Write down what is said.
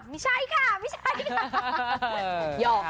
ไม่ใช่ค่ะไม่ใช่ค่ะ